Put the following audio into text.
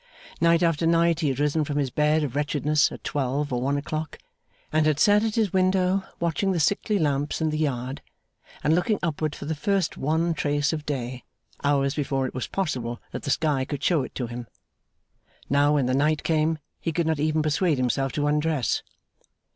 Night after night he had risen from his bed of wretchedness at twelve or one o'clock, and had sat at his window watching the sickly lamps in the yard, and looking upward for the first wan trace of day, hours before it was possible that the sky could show it to him. Now when the night came, he could not even persuade himself to undress.